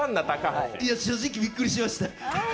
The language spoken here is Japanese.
いや、正直びっくりしました。